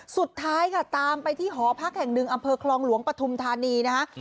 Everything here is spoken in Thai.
สุดท้ายค่ะตามไปที่หอพักแห่งหนึ่งอำเภอคลองหลวงปฐุมธานีนะฮะ